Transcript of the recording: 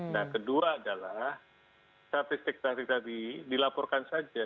nah kedua adalah statistik tadi dilaporkan saja